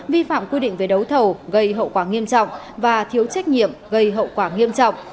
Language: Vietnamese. vi phạm quy định về đấu thầu gây hậu quả nghiêm trọng và thiếu trách nhiệm gây hậu quả nghiêm trọng